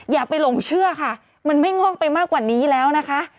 อย่าไปหลงเชื่อค่ะมันไม่งอกไปมากกว่านี้แล้วนะคะ